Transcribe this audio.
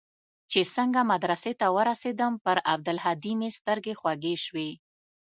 چې څنگه مدرسې ته ورسېدم پر عبدالهادي مې سترګې خوږې سوې.